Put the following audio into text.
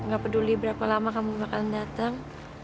gak peduli berapa lama kamu bakalan dateng